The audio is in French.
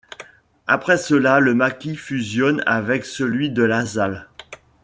Après cela, le maquis fusionne avec celui de Lasalle.